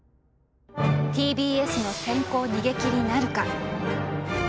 ＴＢＳの先行逃げ切りなるか？